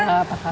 hai baik baik